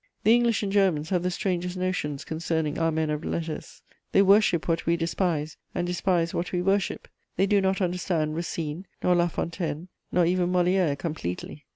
The English and Germans have the strangest notions concerning our men of letters: they worship what we despise, and despise what we worship; they do not understand Racine nor La Fontaine, nor even Molière completely.